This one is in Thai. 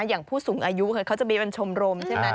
อย่างผู้สูงอายุเขาจะมีเป็นชมรมใช่ไหม